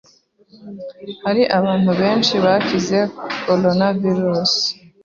Hari abantu benshi bakize Coronavirus